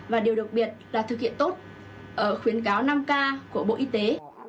và điều đặc biệt là thực hiện tốt khuyến cáo năm k của bộ y tế